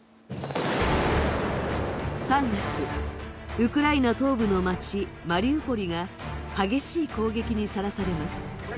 ３月、ウクライナ東部の街、マリウポリが激しい攻撃にさらされます。